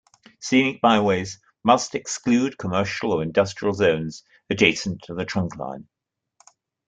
Scenic byways must exclude commercial or industrial zones adjacent to the trunkline.